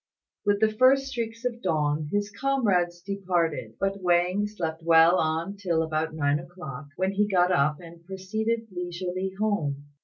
With the first streaks of dawn his comrades departed; but Wang slept well on till about nine o'clock, when he got up and proceeded leisurely home.